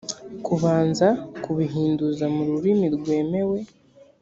kubanza kubihinduza mu rurimi rwemewe